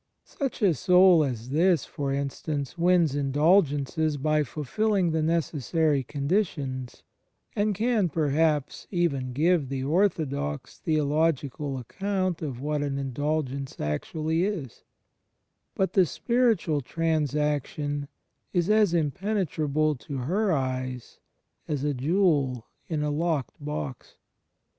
Such a soul as this, for instance, wins indulgences by fulfilling the necessary conditions; and can, perhaps, even give the orthodox theological accoimt of what an indulgence actually is; but the spiritual transaction is as impenetrable to her eyes as a jewel in a locked box.